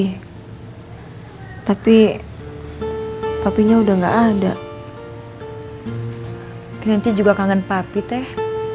hai tapi tapi nya udah enggak ada nanti juga kangen papi teh